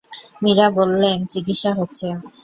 মীরা বললেন, চিকিৎসা হচ্ছে।